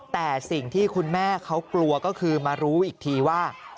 แต่สิ่งที่คุณแม่เขากลัวก็คือมารู้อีกทีว่า